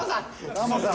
タモリさん